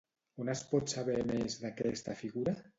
On es pot saber més d'aquesta figura?